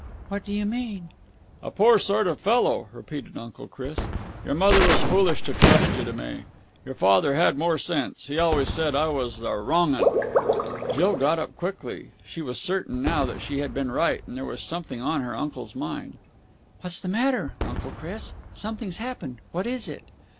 "What do you mean?" "A poor sort of a fellow," repeated Uncle Chris. "Your mother was foolish to trust you to me. Your father had more sense. He always said I was a wrong 'un." Jill got up quickly. She was certain now that she had been right, and that there was something on her uncle's mind. "What's the matter, Uncle Chris? Something's happened. What is it?"